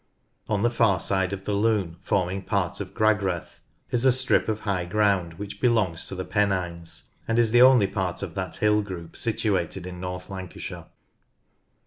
On the far side of the Lune forming part of Gragreth is a strip of high ground which belongs to the Pennines, and is the only part of that hill group situated in North Lancashire.